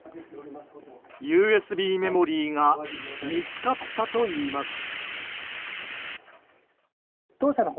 ＵＳＢメモリーが見つかったといいます。